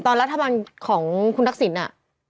ตอนรัฐบาลของคุณทักศิลป์